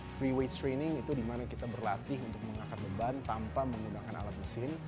freeweight s training itu dimana kita berlatih untuk mengangkat beban tanpa menggunakan alat mesin